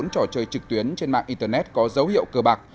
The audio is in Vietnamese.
một mươi bốn trò chơi trực tuyến trên mạng internet có dấu hiệu cơ bạc